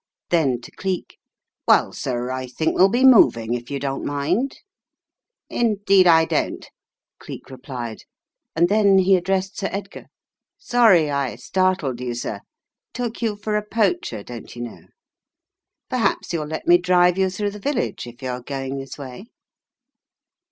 Then to Cleek, "Well, sir, I think we'll be moving, if you don't mind." "Indeed I don't," Cleek replied, and then he addressed Sir Edgar. "Sorry I startled you, sir — took you for a poacher, don't you know. Perhaps you'll let me drive you through the village if you are going this way."